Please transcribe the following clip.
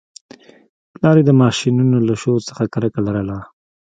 پلار یې د ماشینونو له شور څخه کرکه لرله